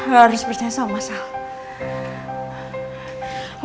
lo harus percaya sama sal